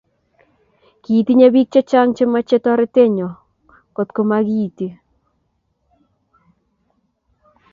Kitinye biik chechang chemechee toretenyo kotgo magiiti